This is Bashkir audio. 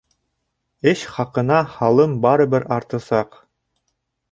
Эш хаҡына һалым барыбер артасаҡ.